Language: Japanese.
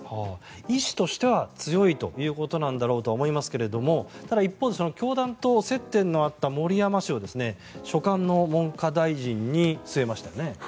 意思としては強いということなんだろうとは思いますがただ、一方で教団と接点のあった盛山氏を所管の文科大臣に据えましたね。